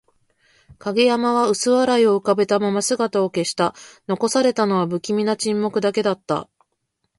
影山は薄笑いを浮かべたまま姿を消した。残されたのは、不気味な沈黙だけだった。